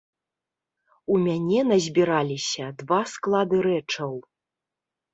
У мяне назбіраліся два склады рэчаў.